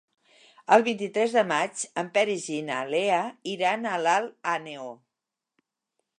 El vint-i-tres de maig en Peris i na Lea iran a Alt Àneu.